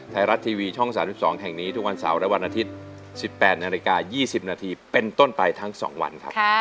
ไทยรัฐทีวีช่อง๓๒แห่งนี้ทุกวันเสาร์และวันอาทิตย์๑๘นาฬิกา๒๐นาทีเป็นต้นไปทั้ง๒วันครับ